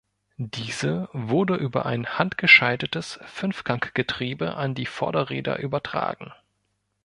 Diese wurde über ein handgeschaltetes Fünfganggetriebe an die Vorderräder übertragen.